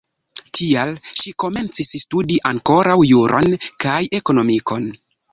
Tial ŝi komencis studi ankoraŭ juron kaj ekonomikon.